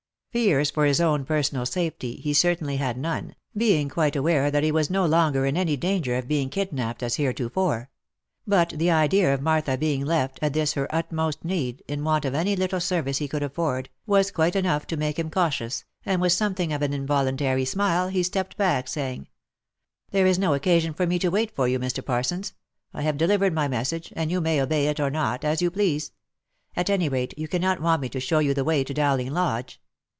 Fears for his own personal safety, he certainly had none, being quite aware that he was no longer in danger of being kidnapped as hereto fore ; but the idea of Martha being left, at this her utmost need, in want of any little service he could afford, was quite enough to make him cautious, and with something of an involuntary smile, he stepped back, saying, " There is no occasion for me to wait for you, Mr. Parsons ; I have delivered my message, and you may obey it or not, as you please. At any rate, you cannot want me to show you the way to Dowling Lodge."